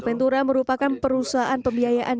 ventura merupakan perusahaan pembiayaan